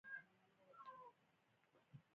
ښایست د صبر ښکلا ده